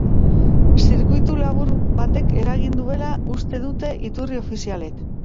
Zirkuitulabur batek eragin duela uste dute iturri ofizialek.